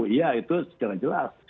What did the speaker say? iya itu secara jelas